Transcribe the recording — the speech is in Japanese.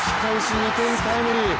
２点タイムリー。